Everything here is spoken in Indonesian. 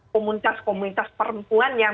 komunitas komunitas perempuan yang